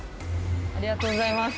ありがとうございます。